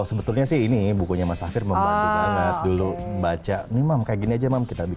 sebetulnya sih ini bukunya mas amir membantu banget dulu baca memang kayak gini aja mam kita